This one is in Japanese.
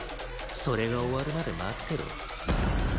「それが終わるまで待ってろ」